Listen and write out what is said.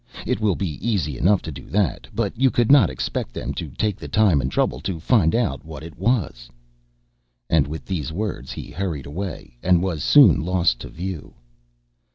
It will be easy enough to do that, but you could not expect them to take the time and trouble to find out what it was." And, with these words, he hurried away, and was soon lost to view.